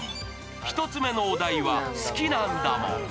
１つ目のお題は、「好きなんだもん」。